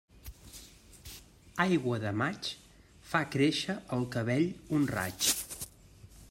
Aigua de maig fa créixer el cabell un raig.